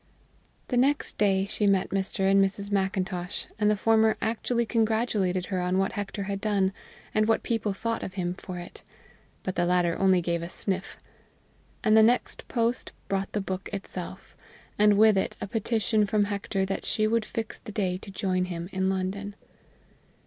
The next day she met Mr. and Mrs. Macintosh, and the former actually congratulated her on what Hector had done and what people thought of him for it; but the latter only gave a sniff. And the next post brought the book itself, and with it a petition from Hector that she would fix the day to join him in London.